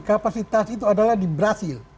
kapasitas itu adalah di brazil